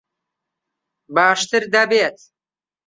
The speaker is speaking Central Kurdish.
باشتر دەبێت.